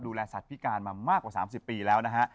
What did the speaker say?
สัตว์พิการมามากกว่า๓๐ปีแล้วนะฮะ